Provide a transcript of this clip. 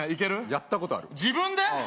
やったことある自分で？